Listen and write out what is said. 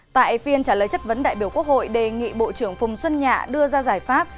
tại phiên trả lời chất vấn đại biểu quốc hội đề nghị bộ trưởng phùng xuân nhạ đưa ra giải pháp